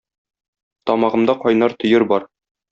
Тамагымда кайнар төер бар.